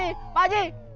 udah kita tunggu nantiute